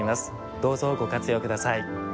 どうぞご活用下さい。